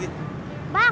gila ini udah berhasil